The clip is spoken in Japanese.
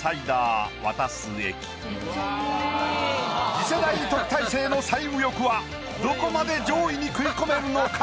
次世代特待生の最右翼はどこまで上位に食い込めるのか？